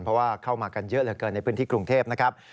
เพราะว่าเข้ามากันเยอะเหลือเกินในพื้นที่กรุงเทพนะครับ